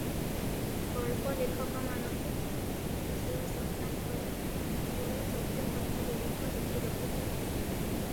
ଗଳ୍ପ ଲେଖକମାନଙ୍କୁ ସମସ୍ତ ବିଷୟ ସନ୍ଧାନ କରି ନିରୋଳ ସତ୍ୟ କଥାଗୁଡିକ ଲେଖିବାକୁ ହୁଏ ।